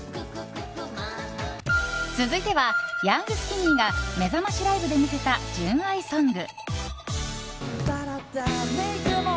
続いては、ヤングスキニーがめざましライブで見せた純愛ソング。